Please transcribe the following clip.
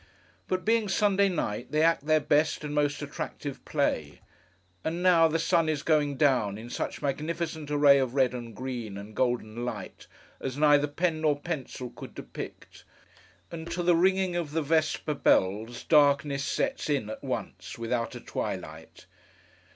But, being Sunday night, they act their best and most attractive play. And now, the sun is going down, in such magnificent array of red, and green, and golden light, as neither pen nor pencil could depict; and to the ringing of the vesper bells, darkness sets in at once, without a twilight.